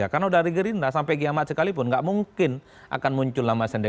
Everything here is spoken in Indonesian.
karena dari gerindra sampai giamat sekalipun nggak mungkin akan muncul nama sandi